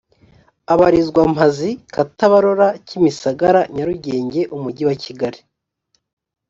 abarizwa mpazi katabarora kimisagara nyarugenge umujyi wa kigali